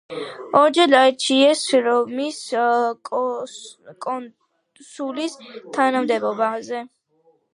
ორჯერ აირჩიეს რომის კონსულის თანამდებობაზე.